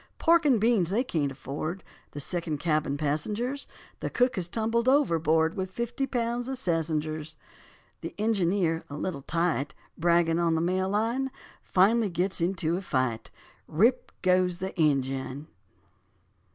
Pork and beans they can't afford, The second cabin passengers; The cook has tumbled overboard With fifty pounds of sassengers; The engineer, a little tight, Bragging on the Mail Line, Finally gets into a fight, Rip, goes the engine.